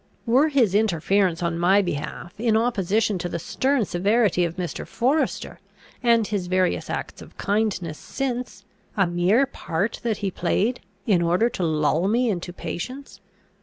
Were his interference on my behalf in opposition to the stern severity of Mr. Forester, and his various acts of kindness since, a mere part that he played in order to lull me into patience?